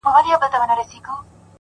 پوهه د شکونو ورېځې لرې کوي’